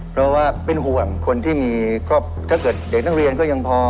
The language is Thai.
เพราะว่าเป็นห่วงคนที่มีก็ถ้าเกิดเด็กนักเรียนก็ยังพอ